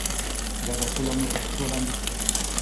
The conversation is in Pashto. ګډه پوله مو تر پښو لاندې کړه.